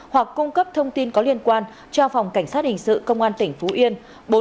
hoặc cung cấp thông tin có liên quan cho phòng cảnh sát hình sự công an tỉnh phú yên